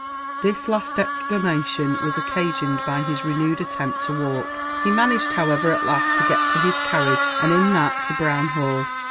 This last exclamation was occasioned by his renewed attempt to walk. He managed, however, at last, to get to his carriage, and in that to Brown Hall.